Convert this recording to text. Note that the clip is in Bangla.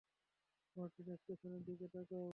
মার্টিনেজ, পেছনের দিকে যাও।